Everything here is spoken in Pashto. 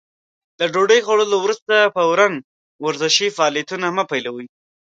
له ډوډۍ خوړلو وروسته فورً ورزشي فعالیتونه مه پيلوئ.